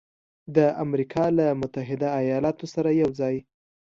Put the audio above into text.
د امریکا له متحده ایالاتو سره یوځای